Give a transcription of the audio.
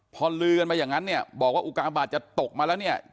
พอลือกันมาอย่างนั้นเนี่ยบอกว่าอุกาบาทจะตกมาแล้วเนี่ย